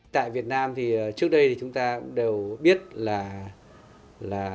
tại việt nam thì trước đây thì chúng ta đều biết là